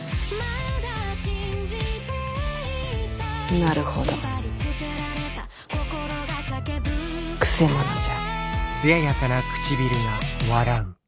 なるほどくせ者じゃ。